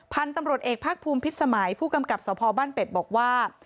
พันธุ์ตำรวจเอกภาคภูมิพิษสมัยผู้กำกับสพบ้านเป็ดบอกว่า